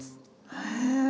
へえ。